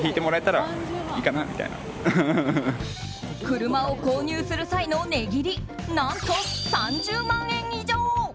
車を購入する際の値切り何と３０万円以上。